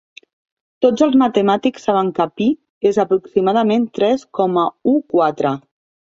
Tots els matemàtics saben que Pi és aproximadament tres coma u quatre